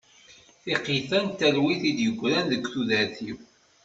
Tiqqit-a n talwit i d-yegran deg tudert-iw.